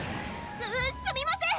すみません